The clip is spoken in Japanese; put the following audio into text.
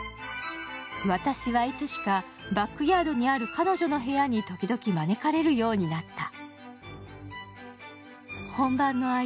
私はいつしか、バックヤードにある彼女の部屋に時々招かれるようになった。